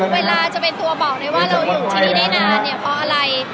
เวลาจะเป็นตัวบอกได้ว่าเราอยู่ที่นี่ได้นานเนี่ยเพราะอะไร